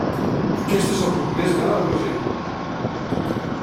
Aquest és el grup més gran al Brasil.